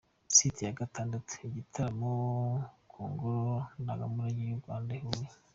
Site ya gatandatu: Igitaramo ku ngoro ndangamurage y’u Rwanda i Huye.